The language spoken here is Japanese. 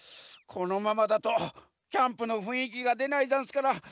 このままだとキャンプのふんいきがでないざんすから。